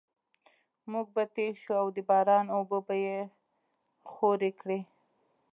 موټر به تېر شو او د باران اوبه به یې خورې کړې